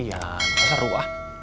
iya seru ah